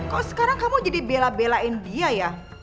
kok sekarang kamu jadi bela belain dia ya